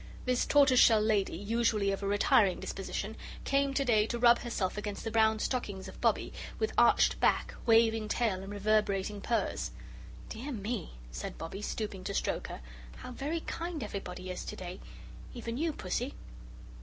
This tortoiseshell lady, usually of a retiring disposition, came to day to rub herself against the brown stockings of Bobbie with arched back, waving tail, and reverberating purrs. "Dear me!" said Bobbie, stooping to stroke her, "how very kind everybody is to day even you, Pussy!"